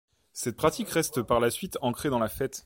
Cette pratique reste par la suite ancrée dans la fête.